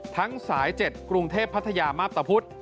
ทั้งสาย๗กรุงเทพภัทยามาปตะพุธ